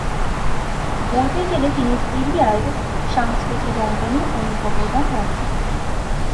বলতে গেলে তিনি সিরিয়ার সাংস্কৃতিক অঙ্গনে অনেক অবদান রাখেন।